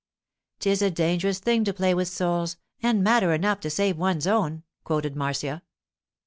'"'Tis a dangerous thing to play with souls, and matter enough to save one's own,"' quoted Marcia.